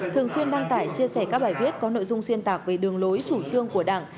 thường xuyên đăng tải chia sẻ các bài viết có nội dung xuyên tạc về đường lối chủ trương của đảng